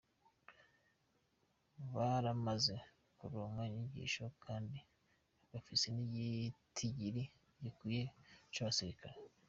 Baramaze kuronka inyigisho kandi bafise n'igitigiri gikwiye c'abasirikare.